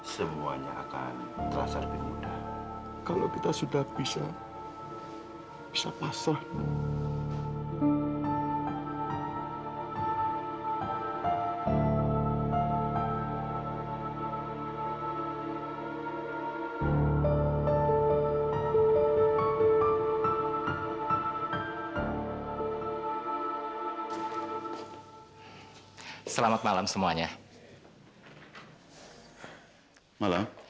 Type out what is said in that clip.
selamat malam semuanya